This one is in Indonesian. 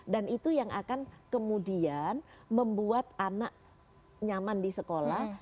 itu yang akan kemudian membuat anak nyaman di sekolah